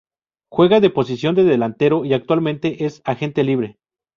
Juega de posición de Delantero y actualmente es Agente Libre.